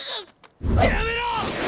やめろ！！